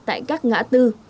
tại các ngã tư